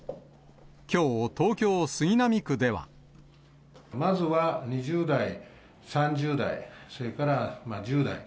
きょう、まずは２０代、３０代、それから１０代。